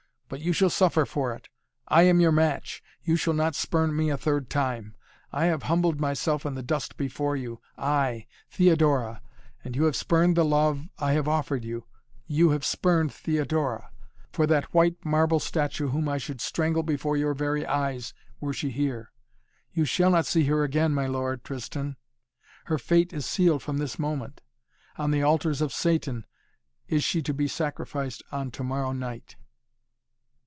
But you shall suffer for it! I am your match! You shall not spurn me a third time! I have humbled myself in the dust before you, I, Theodora and you have spurned the love I have offered you you have spurned Theodora for that white marble statue whom I should strangle before your very eyes were she here! You shall not see her again, my Lord Tristan. Her fate is sealed from this moment. On the altars of Satan is she to be sacrificed on to morrow night!"